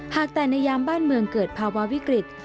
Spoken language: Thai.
หากแต่ในยามบ้านเมืองเกิดภาวะวิกฤต